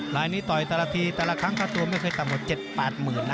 รายนี้ต่อยแต่ละทีแต่ละครั้งค่าตัวไม่เคยต่ำกว่า๗๘หมื่นนะ